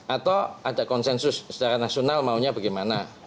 atau ada konsensus secara nasional maunya bagaimana